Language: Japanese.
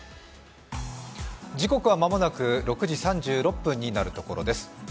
時刻は間もなく６時３６分になるところです。